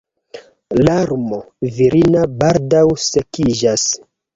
Larmo virina baldaŭ sekiĝas.